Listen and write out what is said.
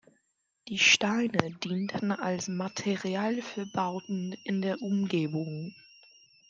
Die Steine dienten als Material für Bauten in der Umgebung.